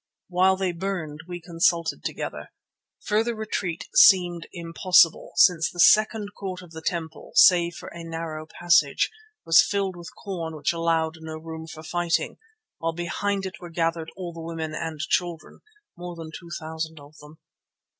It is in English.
While they burned we consulted together. Further retreat seemed impossible, since the second court of the temple, save for a narrow passage, was filled with corn which allowed no room for fighting, while behind it were gathered all the women and children, more than two thousand of them.